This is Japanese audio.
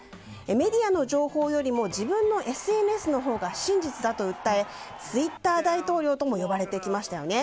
メディアの情報よりも自分のＳＮＳのほうが真実だと訴えツイッター大統領とも呼ばれてきましたよね。